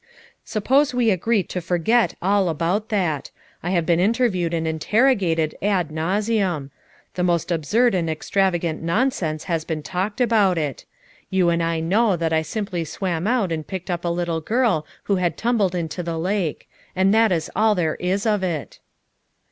"Suppose we agree to forget all about that. I have been interviewed and interrogated ad nauseam; the most absurd and extravagant nonsense has been talked about it. You and I know that I simply swam out and picked up a little girl who had tumbled into the lake ; and that is all there is of it."